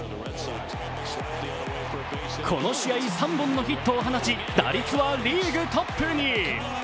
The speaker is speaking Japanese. この試合３本のヒットを放ち打率はリーグトップに。